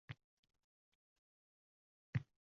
Demak, tanamiz foydali mevalar ombori.